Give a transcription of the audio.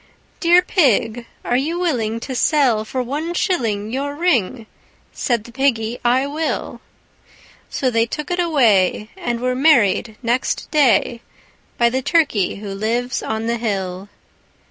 III "Dear Pig, are you willing to sell for one shilling Your ring?" Said the Piggy, "I will." So they took it away, and were married next day By the turkey who lives on the hill.